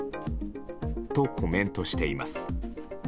と、コメントしています。